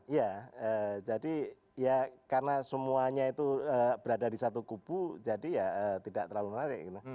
ya jadi ya karena semuanya itu berada di satu kubu jadi ya tidak terlalu menarik